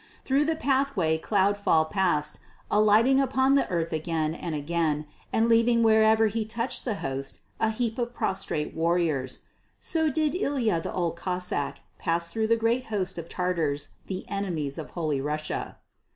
Through the pathway Cloudfall passed, alighting upon the earth again and again, and leaving wherever he touched the host a heap of prostrate warriors. So did Ilya the Old Cossáck pass through the great host of Tatars, the enemies of Holy Russia.